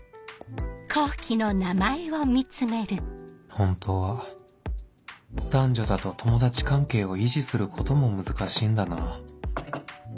本当は男女だと友達関係を維持することも難しいんだな